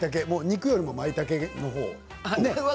もう肉よりもまいたけの方ねえ？